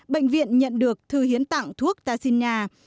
bệnh viện nhận được thư hiến tặng thuốc ta xin nhà